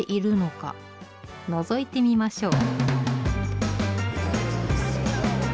のぞいてみましょう！